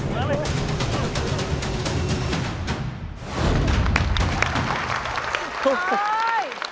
มาเลย